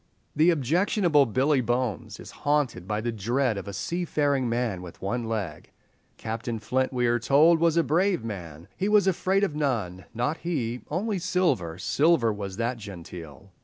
The objectionable Billy Bones is haunted by the dread of "a seafaring man with one leg." Captain Flint, we are told, was a brave man; "he was afraid of none, not he, only Silver—Silver was that genteel."